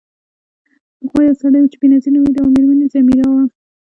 پخوا یو سړی و چې بینظیر نومیده او میرمن یې ځمیرا وه.